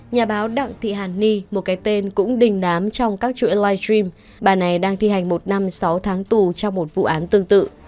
nhà báo đặng thị hàn ni một cái tên cũng đình nám trong các chuỗi live stream bà này đang thi hành một năm sáu tháng tù trong một vụ án tương tự